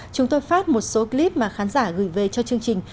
chúng tôi phát một số clip mà khán giả gửi về cho chương trình